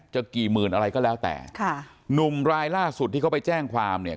จะกี่หมื่นอะไรก็แล้วแต่ค่ะหนุ่มรายล่าสุดที่เขาไปแจ้งความเนี่ย